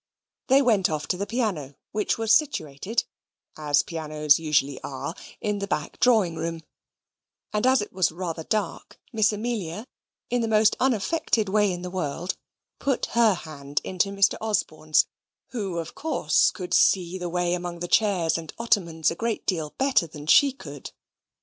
They went off to the piano, which was situated, as pianos usually are, in the back drawing room; and as it was rather dark, Miss Amelia, in the most unaffected way in the world, put her hand into Mr. Osborne's, who, of course, could see the way among the chairs and ottomans a great deal better than she could.